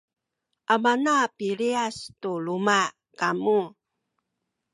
amana piliyas tu luma’ kamu